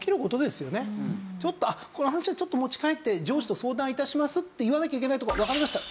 「この話はちょっと持ち帰って上司と相談致します」って言わなきゃいけないところを「わかりました。